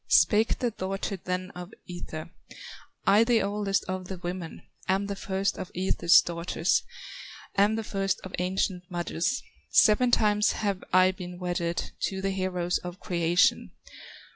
Spake the daughter of the Ether: "I the oldest of the women, Am the first of Ether's daughters, Am the first of ancient mothers; Seven times have I been wedded To the heroes of creation.